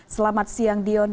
selamat siang dion